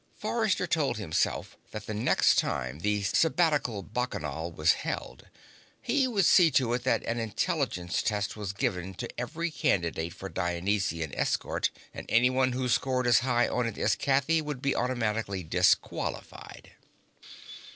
Forrester told himself that the next time the Sabbatical Bacchanal was held, he would see to it that an intelligence test was given to every candidate for Dionysian Escort, and anyone who scored as high on it as Kathy would be automatically disqualified.